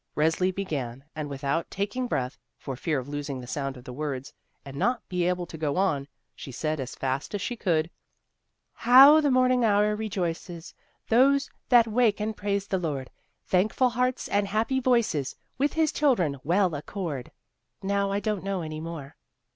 Resli began, and without taking breath, for fear of losing the sound of the words and not be able to go on, she said as fast as she could: "How the morning hour rejoices Those that wake and praise the Lord: Thankful hearts and happy voices With His children well accord.' "Now I don't know any more."